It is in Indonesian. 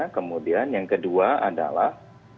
kemudian yang kedua adalah